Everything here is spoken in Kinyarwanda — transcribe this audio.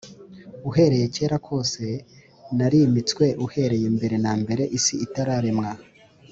uhereye kera kose narimitswe, uhereye mbere na mbere isi itararemwa